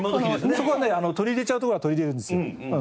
そこはね取り入れちゃうところは取り入れるんですよ。